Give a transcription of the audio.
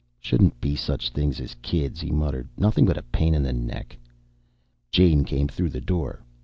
"Shouldn't be such things as kids," he muttered. "Nothing but a pain in the neck!" Jane came through the door.